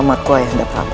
amat kuai hadapamu